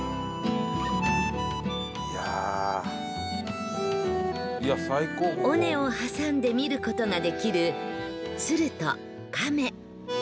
「いやあ」尾根を挟んで見る事ができる鶴と亀